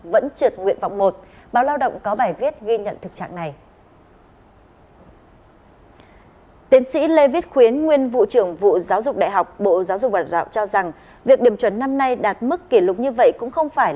vẫn trượt nguyện vọng một